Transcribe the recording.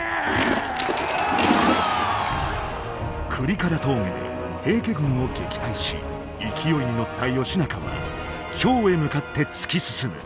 倶利伽羅峠で平家軍を撃退し勢いに乗った義仲は京へ向かって突き進む。